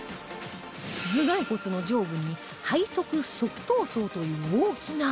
頭蓋骨の上部に背側側頭窓という大きな穴が